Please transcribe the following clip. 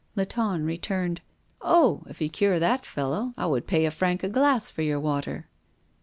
Latonne returned: "Oh! if you cure that fellow, I would pay a franc a glass for your water!"